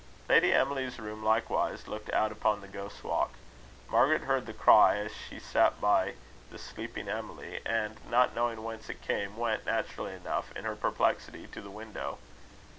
Lady Emily's room likewise looked out upon the Ghost's Walk. Margaret heard the cry as she sat by the sleeping Emily; and, not knowing whence it came, went, naturally enough, in her perplexity, to the window.